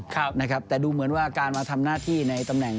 ครับนะครับแต่ดูเหมือนว่าการมาทำหน้าที่ในตำแหน่ง